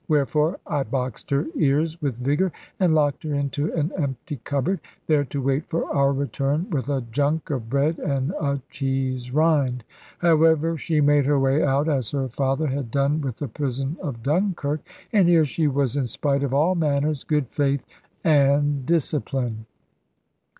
Wherefore I boxed her ears with vigour, and locked her into an empty cupboard, there to wait for our return, with a junk of bread and a cheese rind. However, she made her way out, as her father had done with the prison of Dunkirk; and here she was in spite of all manners, good faith, and discipline.